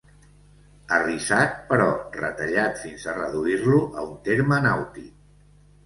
Arrissat, però retallat fins a reduir-lo a un terme nàutic.